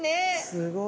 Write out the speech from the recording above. すごい。